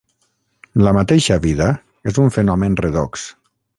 La mateixa vida és un fenomen redox.